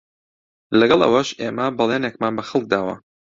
لەگەڵ ئەوەش ئێمە بەڵێنێکمان بە خەڵک داوە